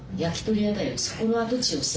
そこの跡地をさ。